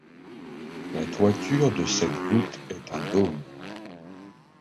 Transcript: La toiture de cette voûte est un dôme.